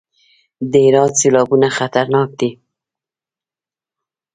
د هرات سیلابونه خطرناک دي